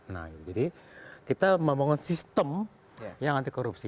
nah jadi kita membangun sistem yang anti korupsi